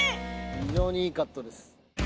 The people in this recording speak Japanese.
非常にいいカットです。